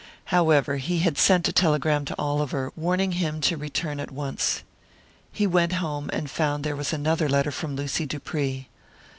However, he had sent a telegram to Oliver, warning him to return at once. He went home and found there another letter from Lucy Dupree.